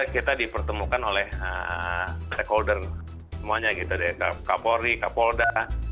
kita dipertemukan oleh stakeholder semuanya gitu pak polri pak polda